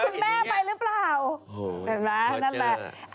คุณแม่ไปหรือเปล่าเห็นไหมนั่นแหละ